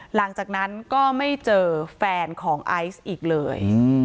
หลังจากนั้นก็ไม่เจอแฟนของไอซ์อีกเลย